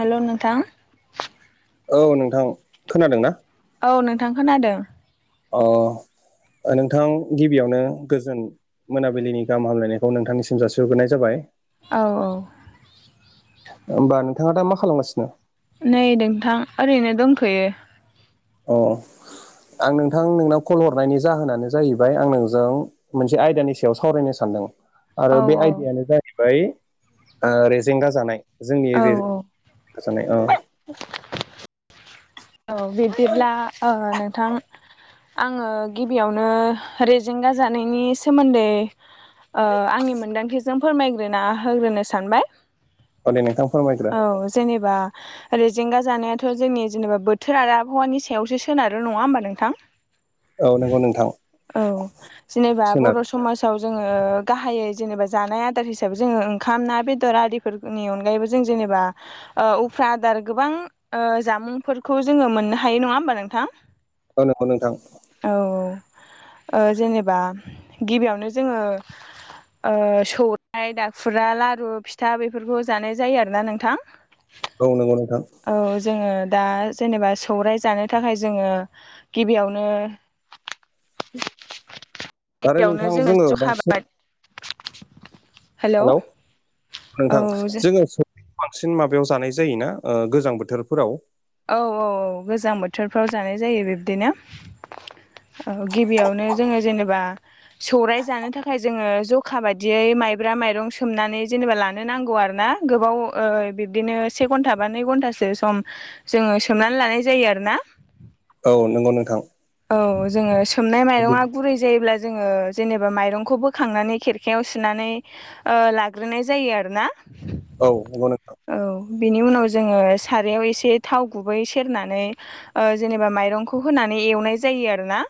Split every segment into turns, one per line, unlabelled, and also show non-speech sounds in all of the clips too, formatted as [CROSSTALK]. हेल' नोंथां?
औ नोंथां खोनादों ना?
औ नोंथां खोनादों।
अ ओ नोंथां गिबियावनो गोजोन मोनाबिलिनि गाहाम हामलायनायखौ नोंथांनिसिम जासिग्रोनाय जाबाय।
औ औ
होमबा नोंथाङा दा मा खालामगासिनो?
नै नोंथां ओरैनो दंखोयो।
अ आं नोंथां नोंनाव कल हरनायनि जाहोनानो जाहैबाय आं नोंजों मोनसे आयदानि सायाव सावरायनो सानदों। आरो
औ
बे आयदायानो जाहैबाय ओ रेजेंगा जानाय जोंनि
औ
रे
औ
गा जानाय ओ
औ बिब्दिब्ला ओ नोंथां आङो गिबियावनो रेजेंगा जानायनि सोमोन्दै ओ आंनि मोन्दांथिजों फोरमायग्रोना होग्रोनो सानबाय।
औ दे नोंथां फोरमायग्रो
औ जेनेबा जेंगा जानायाथ' जोंनि जेनेबा बोथोर आरो आबहावानि सायावसो सोनारो नङा होमबा नोंथां?
औ नंगौ नोंथां
औ जेनेबा
सोनार
बर' स समाजाव जोङो गाहायै जेनेबा जानाय आदार हिसाबै जोङो ओंखाम ना बेदर आरि फोरनि अनगायैबो जों जेनेबा ओ उफ्रा आदार गोबां ओ जामुंफोर खौ जोङो मोननो हायो नङा होमबा नोंथां?
औ नंगौ नोंथां
औ औ ओ जेनेबा गिबियावनो जोङो ओ सौरायाइ दाखुरा लारु फिथा बेफोरखौ जानाय जायो आरोना नोंथां।
औ नंगौ नोंथां
औ जोङो दा जेनेबा सौराइ जानो थाखाय जोङो गिबियावनो
आरो
यावनो
नोंथां
जोङो जखा
बांसिन
बा
हेल' [INAUDIBLE] नोंथां जोङो स बांसिन माबायाव जानाय जायोना ओ गोजां बोथोरफोराव।
औ औ औ गोजां बोथोरफ्राव जानाय जायो बिब्दिनो। औ गिबियावनो जोङो जेनेबा सौराय जानो थाखाय जोङो जखा बायदियै माइब्रा माइरं सोमनानै जेनेबा लानो नांगौ आरो ना। गोबाव बिब्दिनो से घन्टा बा नै घन्टासो सम जोङो सोमनानै लानाय जायो आरो ना।
औ नंगौ नोंथां।
औ जोङो सोमनाय माइरङा गुरै जायोब्ला जोङो जेनेबा माइरंखौ बोखांनानै खेरखायाव सुनानै लाग्रोनाय जायो आरो ना।
औ नंगौ नोंथां।
औ बेनि उनाव जोङो सारायाव एसे थाव गुबै सेरनानै ओ जेनेबा माइरंखौ होनानै एवनाय जायो आरो ना।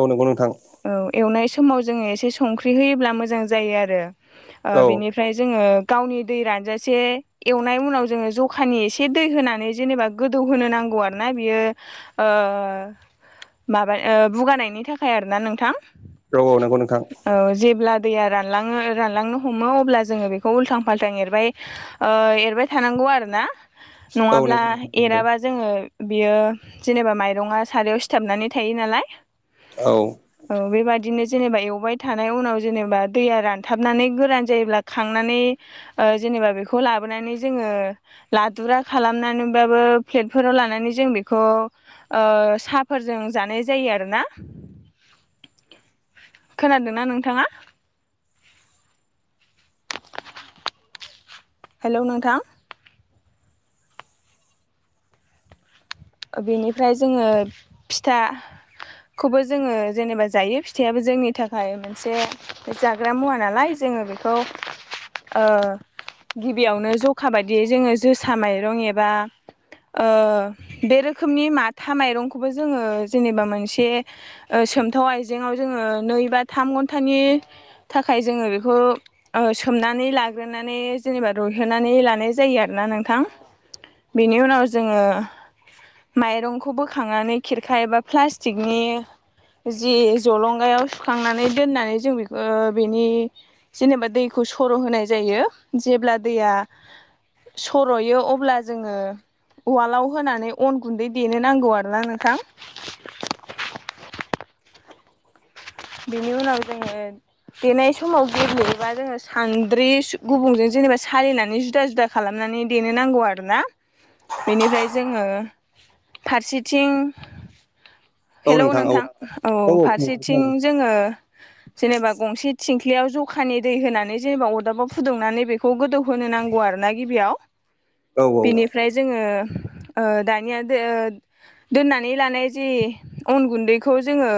औ नंगौ नोंथां।
औ एवनाय समाव जोङो एसे संख्रि होयोब्ला मोजां जायो। ओ
औ
बेनि फ्राय जोङो गावनि दै रानजासे एवनाय उनाव जोङो जखानि एसे दै होनानै जेनेबा गोदौहोनो नांगौ आरो ना बियो ओ माबा ओ बुगानायनि थाखाय आरो ना नोंथां।
औ नंगौ नोंथां
[INAUDIBLE] औ जेब्ला दैया रानलाङो रानलांनो हमो अब्ला जोङो बेखौ उल्थां फाल्थां एरबाय ओ एरबाय थानांगौ आरो ना।
औ
नङाब्ला
नंगौ नोंथां नंगौ
एराबा जोङो बियो जेनेबा माइरङा सारायाव सिथाबनानै थायो नालाय।
औ
औ बेबादिनो जेनेबा एवबाय थानाय उनाव जेनेबा दैया रानथाबनानै गोरान जायोब्ला खांनानै ओ जेनेबा बेखौ लाबोनानै जोंङो लादुरा खालामनानैबाबो प्लेटफोराव लानानै जों बेखौ ओ साहाफोरजों जानाय जायो आरोना। खोनादोंना नोंथाङा हेलौ नोंथां ओ बेनिफ्राय जोंङो फिथा खौबो जोंङो जेनेबा जायो फिथाइयाबो जोंनि थाखाय मोनसे जाग्रा मुवा नालाय जोंङो बे खौ ओ गिबियावनो जखा बायदियै जोंङो जोसा माइरं एबा ओ बे रोखोमनि माथा माइरंखौबो जोंङो जेनेबा मोनसे ओ सोमथाव आइजेंआव जोंङो नै बा थाम घन्टानि थाखाय जोंङो बेखौ औ सोमनानै लाग्रोनानै जेनेबा रुइहोनानै लानाय जायो आरोना नोंथां। बेनि उनाव जोंङो माइरंखौ बोखांनानै खेरखा एबा प्लास्टिकनि जि जलंगायाव सुखांनानै दोननानै जों बेखौ बेनि जेनेबा दैखौ सर होनाय जायो जेब्ला दैया सरयो अब्ला जोंङो उवालाव होनानै अन गुन्दै देनो नांगौ आरोना नोंथां। बेनि उनाव जोंङो देनाय समाव गेब्लेयोबा जोंङो सान्द्रि गुबुंजों जेनेबा सालिनानै जुदा जुदा खालामनानै देनो नांगौ आरोना बेनिफ्राय जोंङो फारसेथिं
औ
हेलौ‌
औ
नोंथां औ फारसेथिं जोंङो जेनेबा गंसे थिंख्लियाव जखानि दै होनानै जेनेबा अरदाबाव फुदुंनानै बे खौ गोदौ होनो नांगौ आरोना गिबियाव
औ औ
बिनि फ्राय जोंङो ओ दानिया दे ओ दोननानै लानाय जि अन गुन्दैखौ जोंङो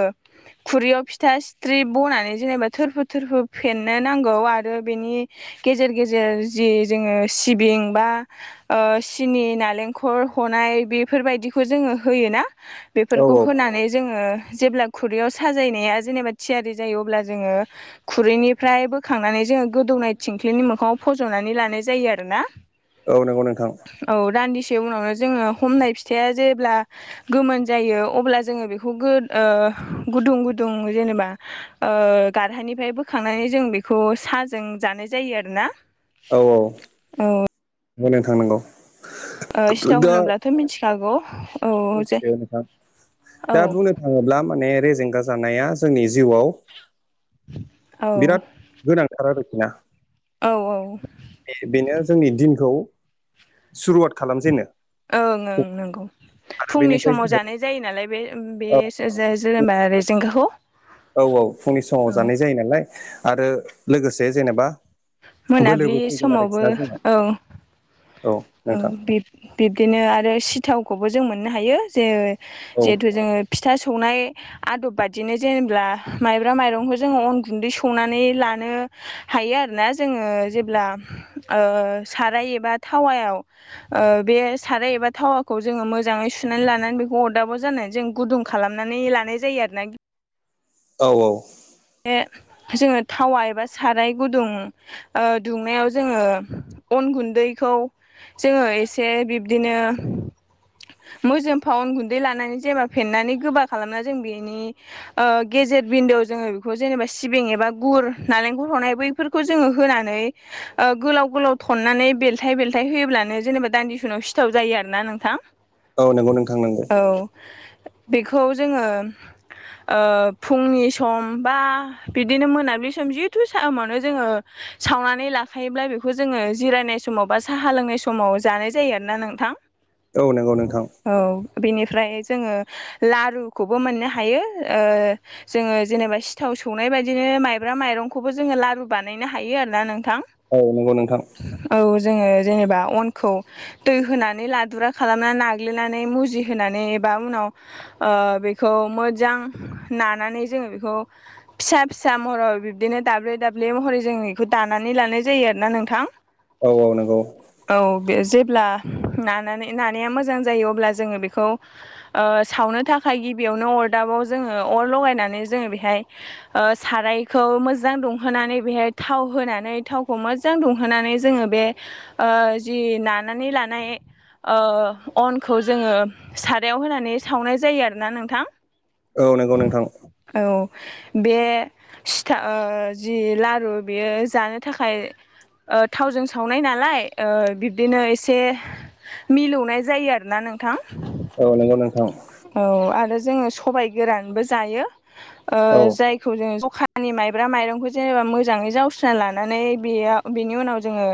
खुरैयाव फि सिथा सिथ्रि बनानै जेनेबा थोरफो थोरफो फेननो नांगौ आरो बेनि गेजेर गेजेर जि जोंङो सिबिं बा ओ सिनि नालेंखल हनाय बेफोरबायदिखौ जोंङो होयोना।
औ
बेफोरखौ होनानै जोंङो जेब्ला खुरैयाव साजायनाया जेनेबा थियारि जायो अब्ला जोंङो खुरैनिफ्राय बोखांनानै जोंङो गोदौनाय थिंख्लिनि मोखाङाव फजनानै लानाय जायो आरोना।
औ नंगौ नोंथां
औ दान्दिसे उनावनो जोंङो हमनाय फिथाया जेब्ला गोमोन जायो अब्ला जोंङो बेखौ गोद ओ गुदुं गुदुं जेनेबा ओ‌ गारहानिफ्राय बोखांनानै जों बेखौ साहाजों जानाय जायो आरोना।
औ औ
औ
नंगौ‌ नोंथां नंगौ
ओ सिथाव
दा
होनोब्लाथ मिथिखागौ औ जे
मिथियो नोंथां
औ
दा बुंनो थाङोब्ला माने रेजेंगा जानाया जोंनि जिउआव बिराद
औ
गोनांथार आरोखिना
औ औ
बेनो जोंनि दिनखौ सुरुवात खालामजेनो
ओं ओं नोंगौ
आरो
फुंनि
बेनिफ्राय
समाव
जोङो
जानाय जायो नालाय बे अम बे
औ
जे-जेनेबा रेजेंगाखौ
औ औ फुंनि समाव
औ
जानाय जायो नालाय आरो लोगोसे जेनेबा
मोनाबिलि
बोलोबो फैगोन
समावबो
आरोखि ना जोंनाव
ओं औ बिब-बिब्दिनो आरो सिथावखौबो जों मोननो हायो जे
औ
जिहेथु जोंङो फिथा सौनाय आदब बादिनो जेनेबा माइब्रा माइरंखौ जोंङो अन गुन्दै सौनानै लानो हायो आरोना जोङो जेब्ला ओ साराय एबा थावायाव ओ बे साराय एबा थावाखौ जोङो मोजाङै सुनानै लानानै बेखौ अरदाबाव जानो जों गुदुं खालामनानै लानाय जायो आरो ना
औ औ
ए जोङो थावा एबा साराय गुदुं ओ दुंनायाव जोङो अन गुन्दैखौ जोङो एसे बिब्दिनो मोजोमफा उन गुन्दै लानानै जेनबा फेन्नानै गोबा खालामना जों बेनि ओ गेजेर बिन्दोआव जोङो खौ जेनेबा सिबिं एबा गुर नालेंखर हनाय बैफोरखौ जोङो होनानै ओ गोलाव गोलाव थननानै बेलथाय बेलथाय होयोब्लानो जेनेबा दान्दिसे उनाव सिथाव जायो आरो ना नोंथां
औ नंगौ नोंथां नोंगौ
औ बेखौ जोङो ओ फुंनि सम बा बिदिनो मोनाबिलि सम जिथु समावनो जोङो सावनानै लाखायोब्ला बेखौ जोङो जिरायनाय समाव बा साहा लोंनाय समाव जानाय जायो आरोना नोंथां
औ नंगौ नोंथां
औ बेनिफ्राय जोङो लारुखौबो मोननो हायो ओ जोङो जेनेबा सि सिथाव सौनाय बायदिनो माइब्रा माइरंखौबो जोङो लारु बानायनो हायो आरोना नोंथां
औ नंगौ नोंथां
औ जोङो जेनेबा अनखौ दै होनानै लादुरा खालामनानै नाग्लिनानै मुजिहोनानै एबा उनाव ओ बेखौ मोजां नानानै जोङो बेखौ
[INAUDIBLE]
फिसा फिसा महर बिब्दिनो दाब्ले दाब्ले महरै जों बेखौ दानानै लानाय जायो आरो ना नोंथां
औ औ नंगौ
औ बे जेब्ला नानानै नानाया मोजां जायो अब्ला जोङो बेखौ ओ सावनो थाखाय गिबियावनो अरदाबाव जोङो अर लगायनानै जोङो बेहाय ओ सारायखौ मोजां दुंहोनानै बेहाय थाव होनानै थावखौ मोजां जां दुंहोनानै जोङो बे जि नानानै लानाय ओ अनखौ जोङो सारायाव होनानै सावनाय जायो आरोना नोंथां
औ नंगौ नोंथां
औ बे सिथा ओ जि लारु बेयो जानो थाखाय ओ थावजों सावनाय नालाय बिब्दिनो एसे मिलौनाय जायो आरोना नोंथां
औ नंगौ नोंथां
औ आरो जोङो सबाय गोरानबो जायो ओ
औ
जायखौ जोङो जखा नि माइब्रा माइरंखौ जेनेबा मोजाङै जावस्रोना लानानै बेयाव बेनि उनाव जोङो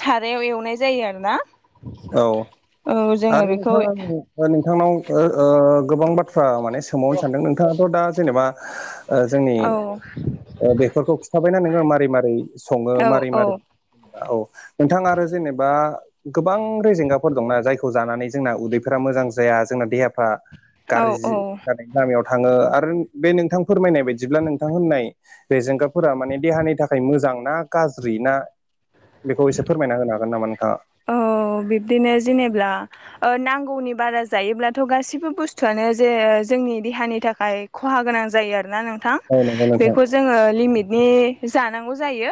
सारायाव एवनाय जायो आरोना औ जोङो बेखौ
ओ नोंथांनाव गोबां बाथ्रा माने सोंबावनो सानदों नोंथाङाथ' दा जेनेबा जोंनि
औ
बेफोरखौ खिथाबायना नोङो मारै मारै सङो
औ
मारै
औ
मारै जेनेबा औ नोंथां आरो जेनेबा गोबां रेजेंगाफोर दंना जायखौ जानानै जोंना उदैफोरा मोजां जाया जोंना देहाफ्रा
औ
गाज्रि
औ
जानाय लामायाव थाङो आरो बे नोंथां फोरमायनाय बायदिब्ला नोंथां होननाय बे जेंगाफोरा माने देहानि थाखाय मोजांना? गाज्रि ना बेखौ एसे फोरमायना होनो हागोन नामा नोंथाङा?
औ बिब्दिनो जेनेब्ला ओ नांगौनि बारा जायोब्लाथ' गासिबो बुस्थुआनो जे जोंनि देहानि थाखाय खहा गोनां जायो आरोना नों थां
औ नंगौ नोंथां
बेखौ जोङो लिमिटनि जानांगौ जायो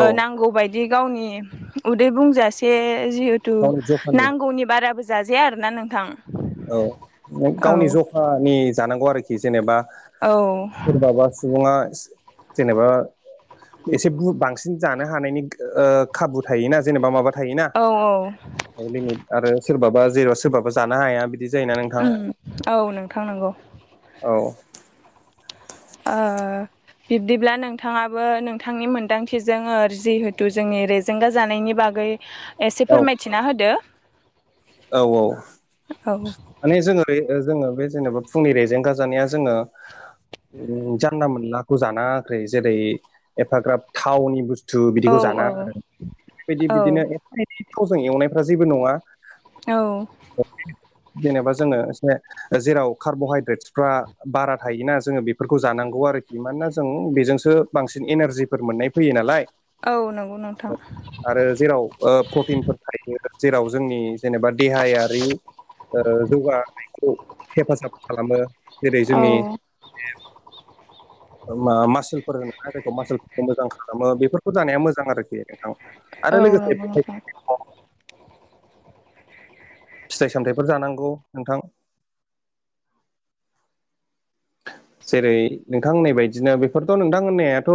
औ
नांगौ बाय दि गावनि उदै बुंजासे जिहेथु
गावनि जखानि
नांगौनि बारा जाजाया आरोना नोंथां।
औ
औ
गावनि जखानि जानांगौ आरोखि जेनेबा
औ
सोरबाबा सुबुङा जेनेबा एसे बांसिन जानो हानायनि ओ खाबु थायोना जेनेबा माबा थायोना
औ
औ लिमित आरो सोरबाबा जेराव सोरबाबा जानो हाया बिदि जायोना नोंथां
उम औ नोंथां नंगौ
औ।
ओ बिब्दिब्ला नोंथाङाबो नोंथांनि मोन्दांथिजों जिहेथु जोंनि रेजे जेंगा जानायनि बागै एसे
औ
फोरमायथिना होदो।
औ औ।
औ।
माने जोङो जोङो बे जेनेबा फुंनि रेजेंगा जानाया जोङो जानला मोनलाखौ जानाङाखै जेरै एफाग्राब थावनि बुस थु
औ
बिदिखौ
औ
जानाङा आरो बेबायदि
औ
बिदिनो एफा एनै थावजों एवनायफ्रा जेबो नङा।
औ।
जेनेबा जोङो एसे जेराव कार्बहायद्रेट्सफ्रा बारा थायोना जोङो बेफोरखौ जानांगौ आरोखि मानोना जों बेजोंसो बांसिन एनारजिफोर मोननाय फैयो नालाय
औ नंगौ नोंथां।
आरो जेराव ओ प्रटिनफोर थायो जेराव जोंनि जेनेबा देहायारि ओ जौगानायखौ हेफाजाब खालामो जेरै
औ
जोंनि बे मा मासोलफोर होनोना जायखौ मासोलफोरखौ मोजां खालामो बेफोरखौ जानाया मोजां आरोखि नोंथां। आरो
औ
लोगोसे
नंगौ नोथां।
फिथाइ फिथाइ सामथाइफोर जानांगौ नोंथां। जेरै नोंथां होननाय बायदिनो बेफोरथ' नोंथां होननायाथ'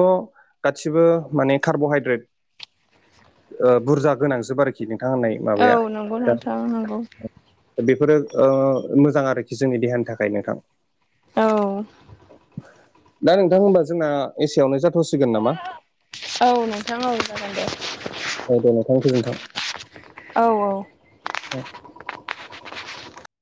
गासिबो माने कार्बहाइद्रेट ओ बुरजा गोनांजोब आरोखि नोंथां होननाय
औ
माबाया
नंगौ
दा
नोंथां नंगौ।
बेफोरो ओ मोजां आरोखि जोंनि देहानि थाखाय नोंथां।
औ।
दा नोंथां होनबा जोंना एसेयावनो जाथ'सिगोन नामा?
औ नोंथां औ जागोन दे।
औ दे नोंथां गोजोन्थों।
औ औ।
[INAUDIBLE]